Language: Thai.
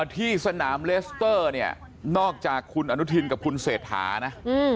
ที่สนามเลสเตอร์เนี่ยนอกจากคุณอนุทินกับคุณเศรษฐานะ